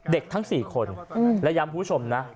เด็กทั้ง๔คนและยำผู้ชมนะ